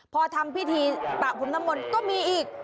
พอทำพิธีประพรมนมลก็มีอีก